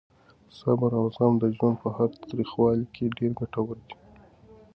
صبر او زغم د ژوند په هره تریخوالې کې ډېر ګټور دي.